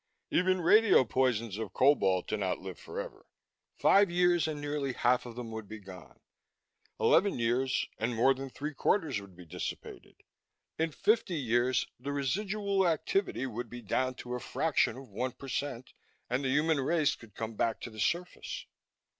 Even radio poisons of cobalt do not live forever. Five years, and nearly half of them would be gone; eleven years, and more than three quarters would be dissipated. In fifty years, the residual activity would be down to a fraction of one per cent and the human race could come back to the surface.